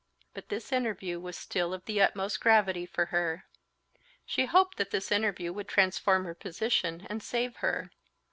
But this interview was still of the utmost gravity for her. She hoped that this interview would transform her position, and save her.